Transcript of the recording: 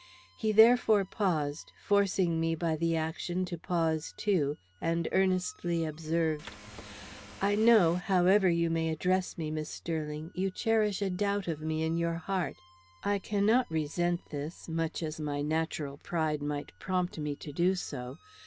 He therefore paused, forcing me by the action to pause too, and earnestly observed: "I know, however you may address me, Miss Sterling, you cherish a doubt of me in your heart. I cannot resent this, much as my natural pride might prompt me to do so.